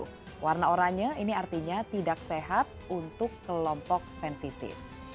dua lima sebesar empat puluh sembilan warna oranye ini artinya tidak sehat untuk kelompok sensitif